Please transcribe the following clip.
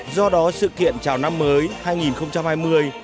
do đó sự kiện chào năm mới